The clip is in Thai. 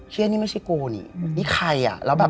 เฮ้ยนี่ไม่ใช่กูนี่นี่ใคร